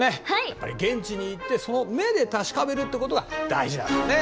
やっぱり現地に行ってその目で確かめるってことが大事だからね。